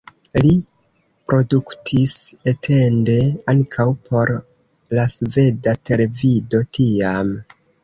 Li produktis etende ankaŭ por la sveda televido tiam.